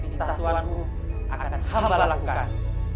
kita tuangku akan hamba lakukan